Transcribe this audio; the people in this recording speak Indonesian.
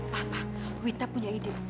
pak pak wita punya ide